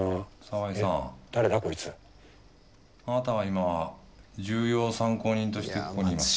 あなたは今重要参考人としてここにいます。